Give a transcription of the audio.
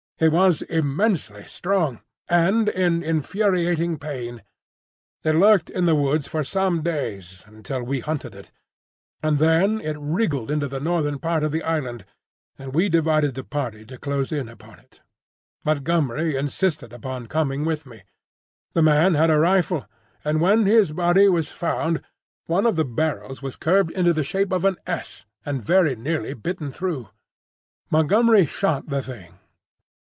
It was immensely strong, and in infuriating pain. It lurked in the woods for some days, until we hunted it; and then it wriggled into the northern part of the island, and we divided the party to close in upon it. Montgomery insisted upon coming with me. The man had a rifle; and when his body was found, one of the barrels was curved into the shape of an S and very nearly bitten through. Montgomery shot the thing.